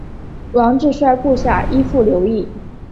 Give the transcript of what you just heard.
王质率部下依附留异。